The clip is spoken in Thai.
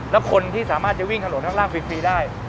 แล้วคนที่สามารถจะวิ่งถนนข้างล่างฟรีได้